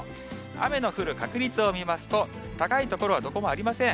雨の降る確率を見ますと、高い所はどこもありません。